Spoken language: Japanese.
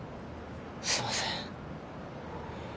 すいません。